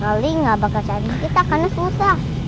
kali gak bakal cari kita karena susah